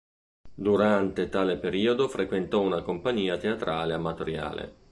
Durante tale periodo frequentò una compagnia teatrale amatoriale.